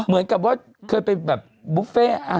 เหมือนกับว่าเคยไปแบบบุฟเฟ่